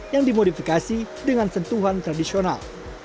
yang dimodifikasi dengan sentuhan tradisional